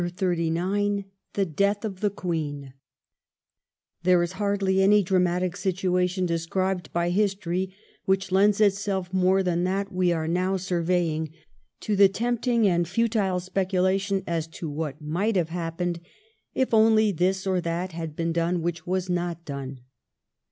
CHAPTEE XXXIX THE DEATH OP THE QUEEN There is hardly any dramatic situation described by history which lends itself more than that we are now surveying to the tempting and futile specula tion as to what might have happened if only this or that had been done which was not done.